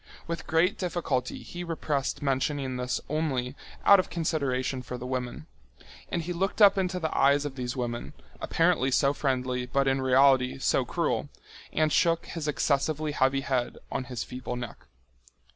With great difficulty he repressed mentioning this only out of consideration for the women. And he looked up into the eyes of these women, apparently so friendly but in reality so cruel, and shook his excessively heavy head on his feeble neck.